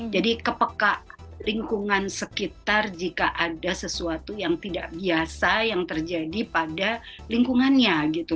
jadi kepeka lingkungan sekitar jika ada sesuatu yang tidak biasa yang terjadi pada lingkungannya gitu